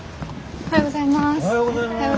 おはようございます。